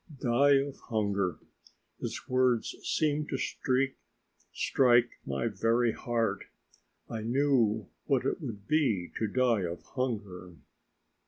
Die of hunger! His words seemed to strike my very heart. I knew what it would be to die of hunger.